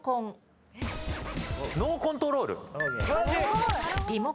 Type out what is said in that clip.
ノーコントロール。